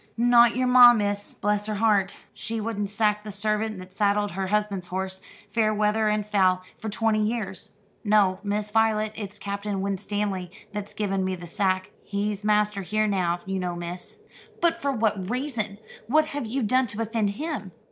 "Not your ma, miss, bless her heart. She wouldn't sack the servant that saddled her husband's horse, fair weather and foul, for twenty years. No, Miss Voylet, it's Captain Winstanley that's given me the sack. He's master here, now, you know, miss." "But for what reason? What have you done to offend him?"